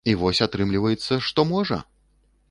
А вось атрымліваецца, што можа.